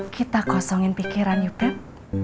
kita kosongin pikiran yuk beb